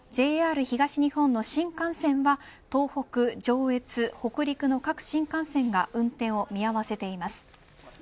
ＪＲ東日本の新幹線は東北、上越、北陸の各新幹線が運転を見合わせています。